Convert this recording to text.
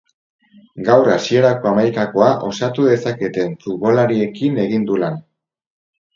Gaur hasierako hamaikakoa osatu dezaketen futbolariekin egin du lan.